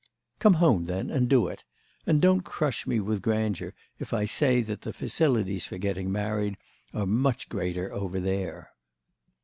"Come home, then, and do it. And don't crush me with grandeur if I say that the facilities for getting married are much greater over there."